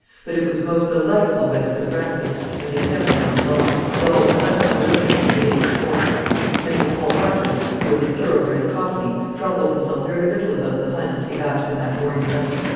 But it was most delightful weather for the breakfast, and the assembling on the lawn, and all the pleasant preliminaries of the day's sport. Mr. Paul Marchmont, who was a thorough bred Cockney, troubled himself very little about the hunt as he basked in that morning light.